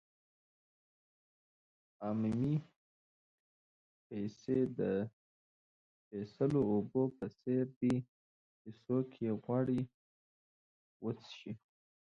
عامې پیسې د سپېڅلو اوبو په څېر دي چې څوک یې غواړي وڅښي.